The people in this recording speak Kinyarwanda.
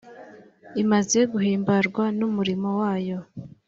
Imaze guhimbarwa n'umurimo wayo,